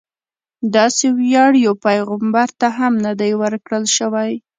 داسې ویاړ یو پیغمبر ته هم نه دی ورکړل شوی.